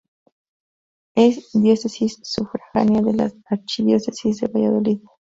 Es diócesis sufragánea de la archidiócesis de Valladolid.